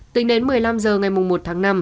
tính đến một mươi năm h ngày một tháng năm